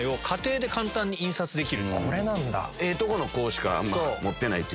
ええとこの子しか持ってない。